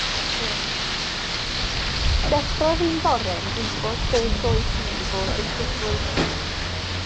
Deffrodd un bore yn gwybod beth oedd hi i fod yn llwglyd.